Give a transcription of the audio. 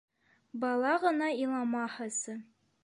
Бала ғына иламаһасы?!